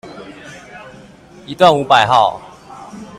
一段五百號